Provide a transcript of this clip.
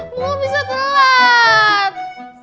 mau bisa telat